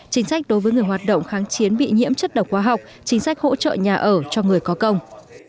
chính sách đối với người hoạt động kháng chiến bị nhiễm chất độc hóa học chính sách hỗ trợ nhà ở cho người có công